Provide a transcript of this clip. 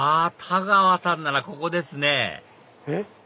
太川さんならここですねえっ？